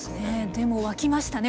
でも沸きましたね